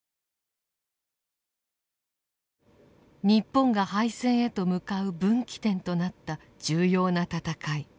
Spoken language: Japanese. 日本が敗戦へと向かう分岐点となった重要な戦い。